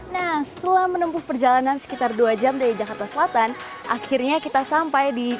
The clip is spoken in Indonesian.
nah setelah menempuh perjalanan sekitar dua jam dari jakarta selatan akhirnya kita sampai di